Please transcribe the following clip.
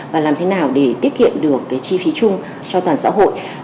và làm thế nào để tiết kiệm được cái chi phí chung cho toàn xã hội